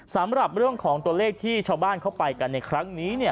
สำหรับเรื่องของตัวเลขที่ชาวบ้านเข้าไปกันในครั้งนี้